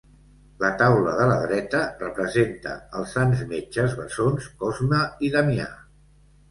La taula de la dreta representa els sants metges bessons Cosme i Damià.